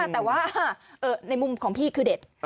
แต่ว่าในมุมของพี่คือเด็ด